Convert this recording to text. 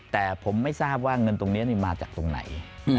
แต่ผมไม่ทราบว่าเงินตรงนี้มาจากตรงไหน